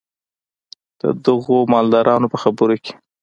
د دغو مالدارانو په خبرو کې.